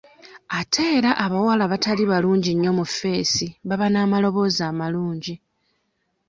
Ate era abawala abatali balungi nnyo mu ffeesi baba n'amaloboozi amalungi.